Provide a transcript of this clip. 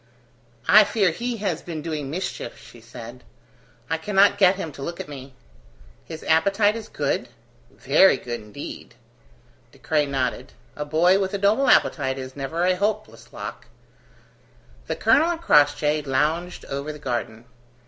"I fear he has been doing mischief," she said. "I cannot get him to look at me." "His appetite is good?" "Very good indeed." De Craye nodded. A boy with a noble appetite is never a hopeless lock. The colonel and Crossjay lounged over the garden.